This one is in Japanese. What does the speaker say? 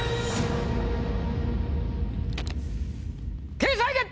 掲載決定！